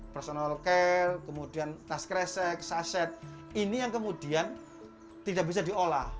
personal care kemudian tas kresek saset ini yang kemudian tidak bisa diolah